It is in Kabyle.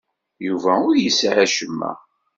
Yuba ur yesɛi acemma.